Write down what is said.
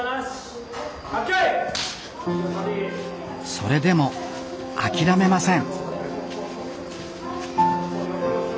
それでも諦めません